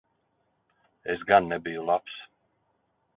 Es gan nebiju labs.